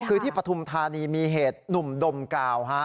คือที่ปฐุมธานีมีเหตุหนุ่มดมกาวฮะ